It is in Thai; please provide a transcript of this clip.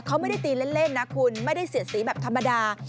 เขาไม่ได้ตีเล่นนะคุณไม่ได้เสียดสีแบบธรรมดา